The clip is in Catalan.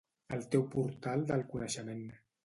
El teu portal del coneixement